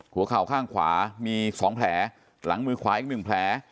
หัวเข่าข้างขวามี๒แผลหลังมือขวาอีก๑แผล